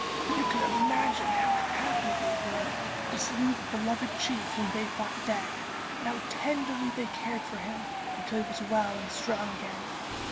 You can imagine how happy they were to see the beloved chief whom they thought dead, and how tenderly they cared for him until he was well and strong again.